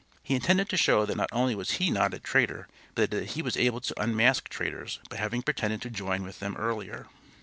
He intended to show that not only was he not a traitor, but that he was able to unmask traitors, by having pretended to join with them earlier.